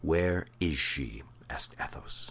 "Where is she?" asked Athos.